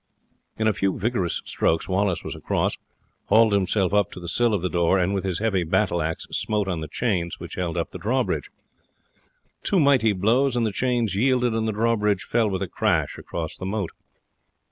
In a few vigorous strokes Wallace was across, hauled himself up to the sill of the door, and with his heavy battleaxe smote on the chains which held up the drawbridge. Two mighty blows and the chains yielded, and the drawbridge fell with a crash across the moat.